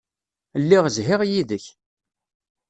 Lliɣ zhiɣ yid-k.